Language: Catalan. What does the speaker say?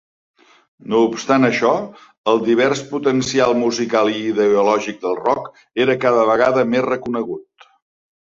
No obstant això, el divers potencial musical i ideològic del rock era cada vegada més reconegut.